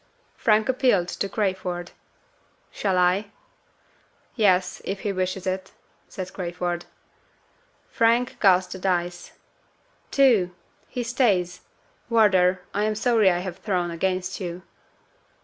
Frank appealed to Crayford. "Shall I?" "Yes, if he wishes it," said Crayford. Frank cast the dice. "Two! He stays! Wardour, I am sorry I have thrown against you."